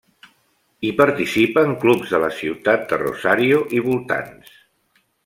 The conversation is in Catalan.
Hi participen clubs de la ciutat de Rosario i voltants.